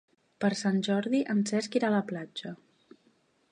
Per Sant Jordi en Cesc irà a la platja.